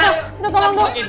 saya bawa handphonenya olur